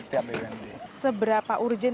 setiap bumd seberapa urgen